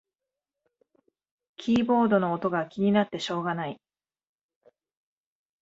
キーボードの音が気になってしょうがない